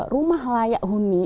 rumah layak huni